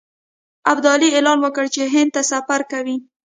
ابدالي اعلان وکړ چې هند ته سفر کوي.